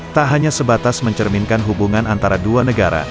tak hanya sebatas mencerminkan hubungan antara dua negara